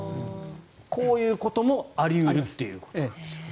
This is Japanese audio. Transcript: こういうこともあり得るということなんですね。